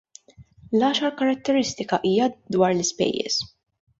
L-għaxar karatteristika hija dwar l-ispejjeż.